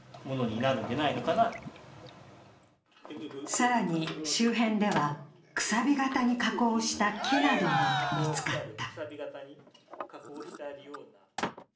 更に、周辺ではくさび型に加工した木なども見つかった。